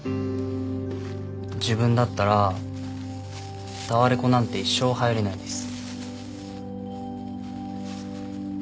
自分だったらタワレコなんて一生入れないです。